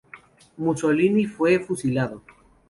Mussolini fue fusilado.